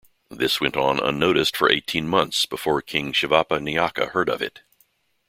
This went on unnoticed for eighteen months before King Shivappa Nayaka heard of it.